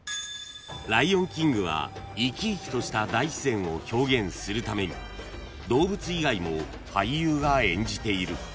［『ライオンキング』はいきいきとした大自然を表現するために動物以外も俳優が演じている］